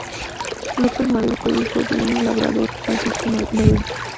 López Medel fue hijo de un labrador, Francisco Medel.